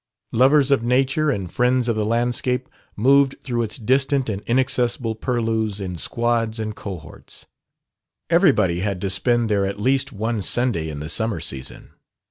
"Lovers of Nature" and "Friends of the Landscape" moved through its distant and inaccessible purlieus in squads and cohorts. Everybody had to spend there at least one Sunday in the summer season.